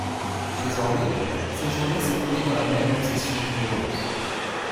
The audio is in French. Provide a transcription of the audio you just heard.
Désormais, ses journées s'écoulaient dans la même obsession douloureuse.